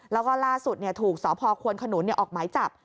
แล้วก็ล่าสุดเนี่ยถูกสควนขนุนเนี่ยออกหมายจับ